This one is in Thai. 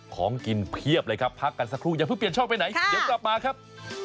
ของกินเพียบเลยครับพักกันสักครู่อย่าเพิ่งเปลี่ยนช่องไปไหนเดี๋ยวกลับมาครับ